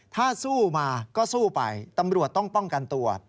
ถ้าสู้มาก็สู้ไปตำรวจต้องป้องกันตัว